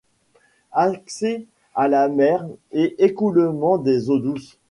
Accès à la mer et écoulement des eaux douces.